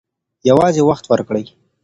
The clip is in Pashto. یوازې وخت ورکړئ.